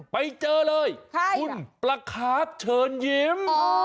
ไปเจอเลยคุณประคาร์ฟเชิญยิ้ม